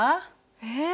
えっ。